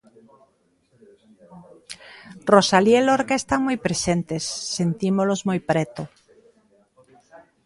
Rosalía e Lorca están moi presentes, sentímolos moi preto.